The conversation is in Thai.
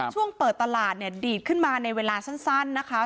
ช่วงเปิดตลาดเนี่ยดีดขึ้นมาในเวลาสั้นนะคะ